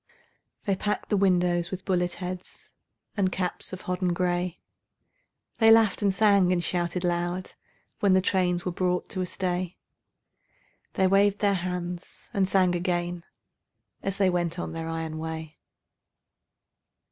They packed the windows with bullet heads And caps of hodden gray; They laughed and sang and shouted loud When the trains were brought to a stay; They waved their hands and sang again As they went on their iron way.